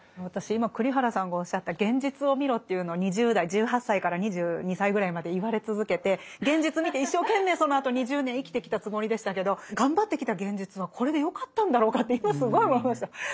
私今栗原さんがおっしゃた「現実を見ろ」っていうの２０代１８歳から２２歳ぐらいまで言われ続けて現実見て一生懸命そのあと２０年生きてきたつもりでしたけど頑張ってきた現実はこれでよかったんだろうかって今すごい思いました。